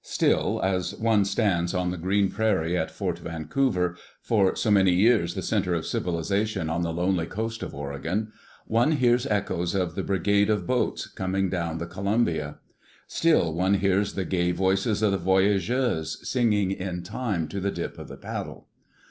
Still, as one stands on the green prairie at Fort Vancouver, for so many years the center of civilization on the lonely coast of Oregon, one hears echoes of the Brigade of Boats coming down the Co lumbia ; still one hears the gay voices of the voyageurs sing ing in time to the dip of the paddle.